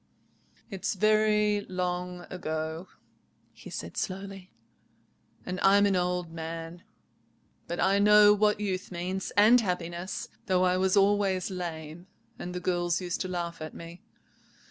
"It's very long ago," he said slowly, "and I'm an old man; but I know what youth means, and happiness, though I was always lame, and the girls used to laugh at me.